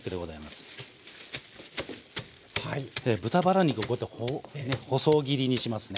で豚バラ肉をこうやって細切りにしますね。